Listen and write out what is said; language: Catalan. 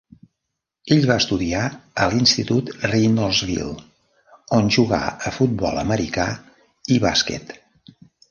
Ell va estudiar a l'Institut Reynoldsville on jugà a futbol americà i bàsquet.